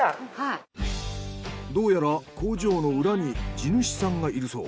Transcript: どうやら工場の裏に地主さんがいるそう。